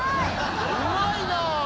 うまいなぁ。